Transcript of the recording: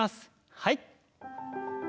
はい。